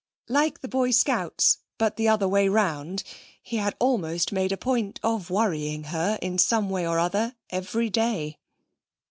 Like the Boy Scouts, but the other way round, he had almost made a point of worrying her in some way or other every day.